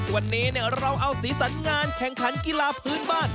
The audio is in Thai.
วันนี้เราเอาสีสันงานแข่งขันกีฬาพื้นบ้าน